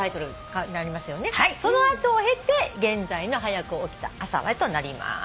その後を経て現在の『はやく起きた朝は』となります。